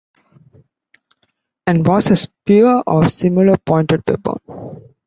An was a spear or similar pointed weapon.